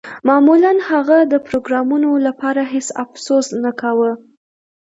معمولاً هغه د پروګرامرانو لپاره هیڅ افسوس نه کاوه